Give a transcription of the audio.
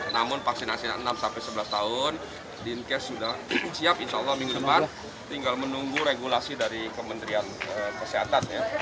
namun vaksinasi enam sebelas tahun dinkes sudah siap insya allah minggu depan tinggal menunggu regulasi dari kementerian kesehatan ya